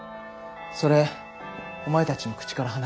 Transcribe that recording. それお前たちの口から話せ。